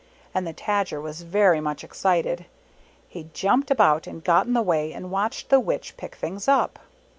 And the Tajer was very much excited. He jumped about and got in the way and watched the Witch pick things up.